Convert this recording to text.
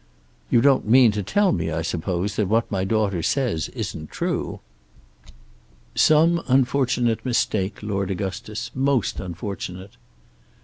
"You don't mean to tell me, I suppose, that what my daughter says isn't true." "Some unfortunate mistake, Lord Augustus; most unfortunate."